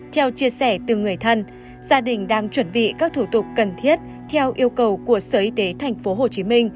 theo chia sẻ từ người thân gia đình đang chuẩn bị các thủ tục cần thiết theo yêu cầu của sở y tế tp hcm